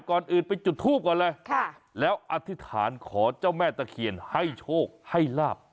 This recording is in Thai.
ก่อนอื่นไปจุดทูปก่อนเลยแล้วอธิษฐานขอเจ้าแม่ตะเคียนให้โชคให้ลาบ